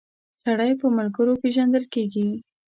سړی په ملګرو پيژندل کیږی